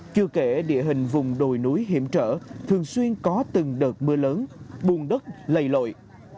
chưa kể địa hình vùng đồi núi hiểm trở thường xuyên có từng đợt mưa lớn bùng đất lầy lội